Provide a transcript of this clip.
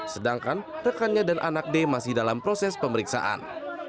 sedangkan rekannya dan anak d masih dalam proses pemeriksaan